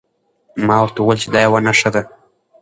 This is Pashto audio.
ما ورته وویل چې دا یوه نښه ده.